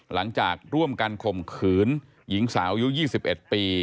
หลังจากร่วมกันข่มขืนหญิงสาวอายุ๒๑ปี